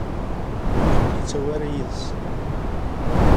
Ur ken-yettawi ara yid-s.